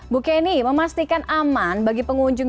bu kenny memastikan aman bagi pengunjung